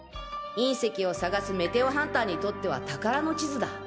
隕石を探すメテオハンターにとっては宝の地図だ。